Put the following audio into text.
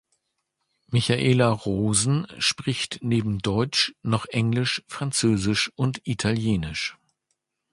Michaela Rosen spricht neben Deutsch noch Englisch, Französisch und Italienisch.